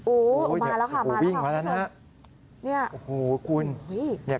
โอ้โฮมาแล้วค่ะมาแล้วค่ะคุณผู้ชมนี่โอ้โฮคุณนี่